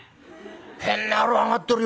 変な野郎上がってるよ。